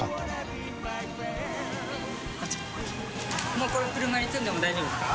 もうこれも車に積んでも大丈夫ですか？